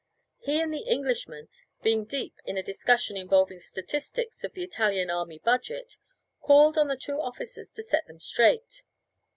He and the Englishman, being deep in a discussion involving statistics of the Italian army budget, called on the two officers to set them straight.